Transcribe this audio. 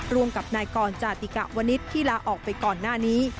ร่วมกับนายกรจาติกะวนิษฐ์ที่ลาออกไปก่อนหน้านี้